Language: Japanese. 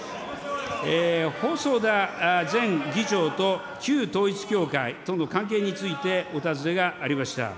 細田前議長と旧統一教会との関係についてお尋ねがありました。